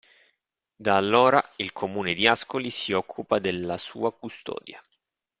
Da allora il Comune di Ascoli si occupa della sua custodia.